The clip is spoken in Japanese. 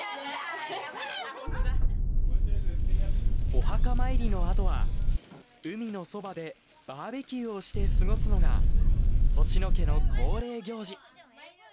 お墓参りのあとは海のそばでバーベキューをして過ごすのが星野家の恒例行事。